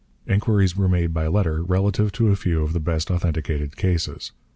Inquiries were made by letter relative to a few of the best authenticated cases.